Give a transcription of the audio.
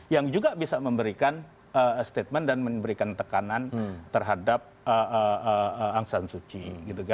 yang juga bisa memberikan statement dan memberikan tekanan terhadap aung san suu kyi